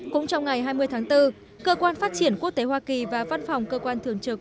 cũng trong ngày hai mươi tháng bốn cơ quan phát triển quốc tế hoa kỳ và văn phòng cơ quan thường trực